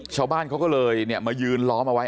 ชาวบ้านเขาก็เลยมายืนล้อมเอาไว้